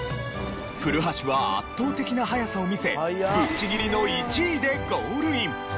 古橋は圧倒的な速さを見せぶっちぎりの１位でゴールイン！